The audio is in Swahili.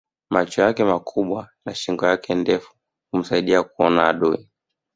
macho yake makubwa na shingo yake ndefu humsaidia kuona adui